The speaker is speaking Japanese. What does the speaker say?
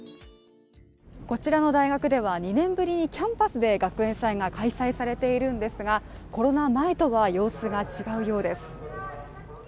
こちらの大学では２年ぶりにキャンパスで学園祭が開催されているんですが、コロナ前とは様子が違うようです。